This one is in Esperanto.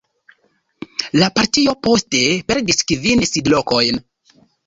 La partio poste perdis kvin sidlokojn.